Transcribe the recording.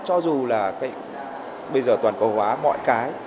cho dù là bây giờ toàn cầu hóa mọi cái